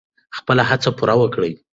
خپله هڅه پوره وکړئ.